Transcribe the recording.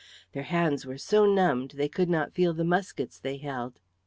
Their hands were so numbed they could not feel the muskets they held.